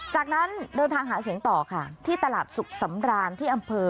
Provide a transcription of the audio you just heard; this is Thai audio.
จากนั้นเดินทางหาเสียงต่อค่ะที่ตลาดสุขสำราญที่อำเภอ